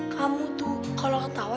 kamu tuh kalau ketawa